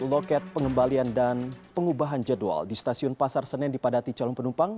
loket pengembalian dan pengubahan jadwal di stasiun pasar senen dipadati calon penumpang